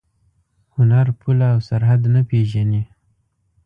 هنر پوله او سرحد نه پېژني.